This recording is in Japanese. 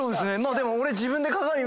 でも俺。